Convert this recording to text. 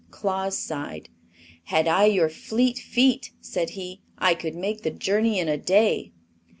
Claus sighed. "Had I your fleet feet," said he, "I could make the journey in a day."